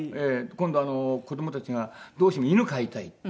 今度子どもたちがどうしても犬飼いたい。